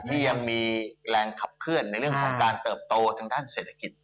ที่ยังมีแรงขับเคลื่อนในเรื่องของการเติบโตทางด้านเศรษฐกิจ